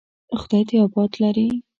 خدای دې آباد لري.